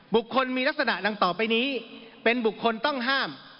บุคคลมีลักษณะดังต่อไปนี้เป็นบุคคลต้องห้าม